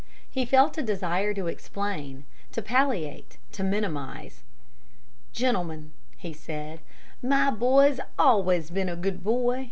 He felt a desire to explain, to palliate, to minimize. "Gentlemen," he said, "my boy's always been a good boy.